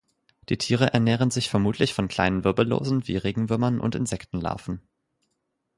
Die Tiere ernähren sich vermutlich von kleinen Wirbellosen wie Regenwürmern und Insektenlarven.